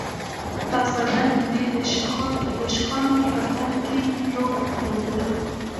باسواده میندې د شخړو په حل کې رول لوبوي.